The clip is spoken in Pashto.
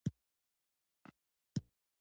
ویل یې نه پوهېږم چې دا چینی ولې له کوټې وځي.